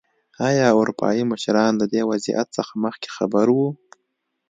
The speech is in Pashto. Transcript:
ایا اروپايي مشران له دې وضعیت څخه مخکې خبر وو.